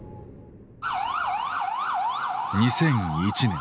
２００１年。